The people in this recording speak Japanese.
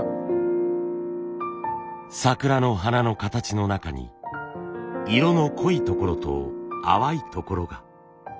桜の花の形の中に色の濃いところと淡いところが。